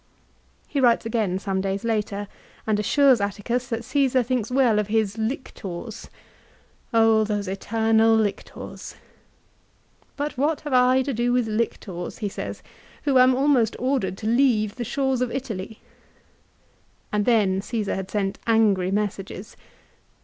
He writes again some days later and assures Atticus that Csesar thinks well of his " lictors !" Oh those eternal lictors !" But what have I to do with lictors," he says, " who am almost ordered to leave the shores of Italy ?" 3 And then Csesar had sent angry messages.